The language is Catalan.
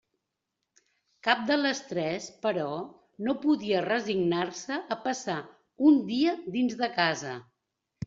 Cap de les tres, però, no podia resignar-se a passar un dia dins de casa.